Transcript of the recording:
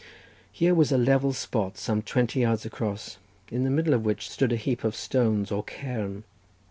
Here was a level spot some twenty yards across, in the middle of which stood a heap of stones or cairn.